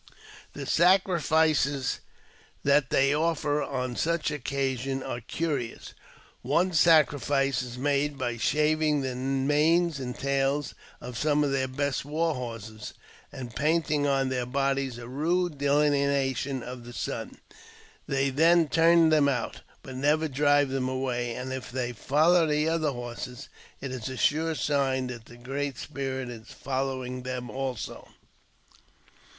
The sacrifices that they offer on such occasions are curious, One sacrifice is made by shaving the manes and tails of somi of their best war horses, and painting on their bodies a rude ■delineation of the sun. They then turn them out, but never drive them away ; and if they follow the other horses, it is a sure sign that the Great Spirit is following them also.